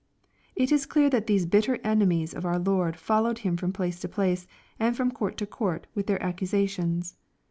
] It is clear that these bitter enemies of our Lord followed Him from place to place, and from court to couit with their accusations.